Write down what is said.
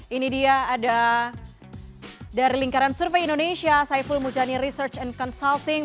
ini dia ada dari lingkaran survei indonesia saiful mujani research and consulting